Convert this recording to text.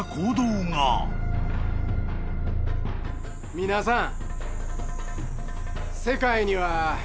皆さん。